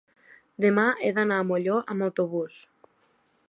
demà he d'anar a Molló amb autobús.